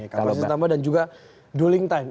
kapasitas ditambah dan juga dueling time